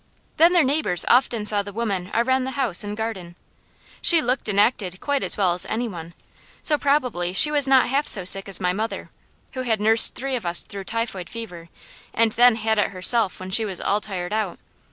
Then their neighbours often saw the woman around the house and garden. She looked and acted quite as well as any one, so probably she was not half so sick as my mother, who had nursed three of us through typhoid fever, and then had it herself when she was all tired out.